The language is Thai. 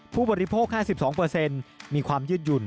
ผู้บริโภค๕๒มีความยืดหยุ่น